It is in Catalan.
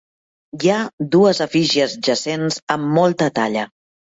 Hi ha dues efígies jacents amb molta talla.